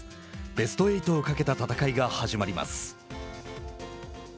ベスト８をかけた戦いが始まります。